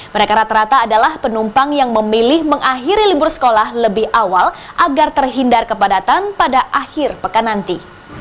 mereka rata rata adalah penumpang yang memilih mengakhiri libur sekolah lebih awal agar terhindar kepadatan pada akhir pekan nanti